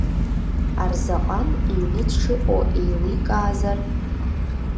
Арзаҟан иҩны дшыҟоу еиликаазар?